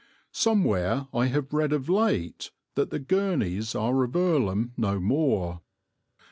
Somewhere I have read of late that the Gurneys are of Earlham no more.